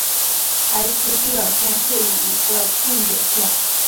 埃斯蒂尔县是一个禁酒县。